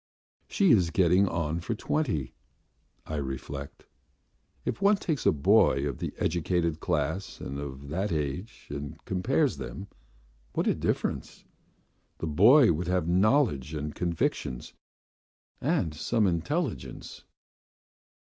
"She is getting on for twenty. ..." I reflect. "If one takes a boy of the educated class and of that age and compares them, what a difference! The boy would have knowledge and convictions and some intelligence."